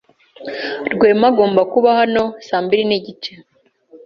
Rwema agomba kuba hano saa mbiri nigice.